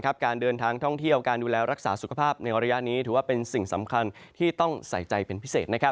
การเดินทางท่องเที่ยวการดูแลรักษาสุขภาพในระยะนี้ถือว่าเป็นสิ่งสำคัญที่ต้องใส่ใจเป็นพิเศษ